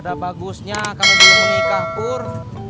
ada bagusnya kamu belum nikah pur